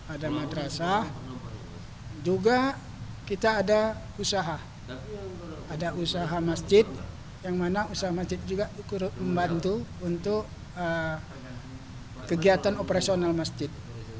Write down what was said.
ada madrasah juga kita ada usaha ada usaha masjid yang mana usaha masjid juga ikut membantu untuk kegiatan operasional masjid